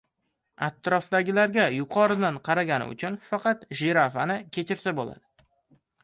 — Atrofdagilarga yuqoridan qaragani uchun faqat jirafani kechirsa bo‘ladi.